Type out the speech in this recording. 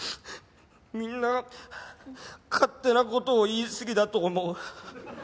みんな勝手な事を言いすぎだと思う。